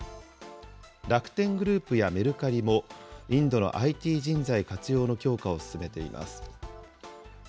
楽天グループやメルカリも、インドのＩＴ人材活用の強化を進めています。